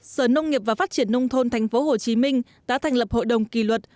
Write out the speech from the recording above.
sở nông nghiệp và phát triển nông thôn tp hcm đã thành lập hội đồng kỳ luật